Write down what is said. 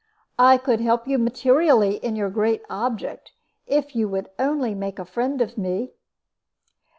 I could help you materially in your great object, if you would only make a friend of me."